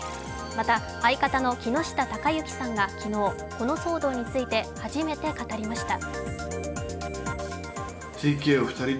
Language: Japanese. また、相方の木下隆行さんが昨日、この騒動について初めて語りました。